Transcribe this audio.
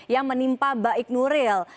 yang menimpa baik nuril